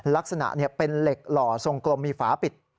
ลักษณะเป็นเหล็กหล่อทรงกลมมีฝาปิด